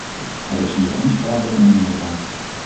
Er is hier geen sprake van een meerderheid.